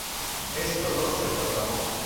Esto no se programó.